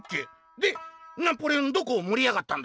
「でナポレオンどこを盛りやがったんだい？」。